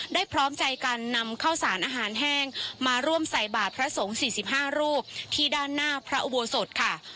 พร้อมใจการนำข้าวสารอาหารแห้งมาร่วมใส่บาทพระสงฆ์๔๕รูปที่ด้านหน้าพระอุโบสถค่ะ